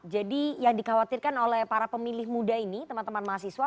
jadi yang dikhawatirkan oleh para pemilih muda ini teman teman mahasiswa